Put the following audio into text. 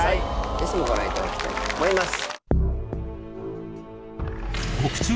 ぜひご覧いただきたいと思います。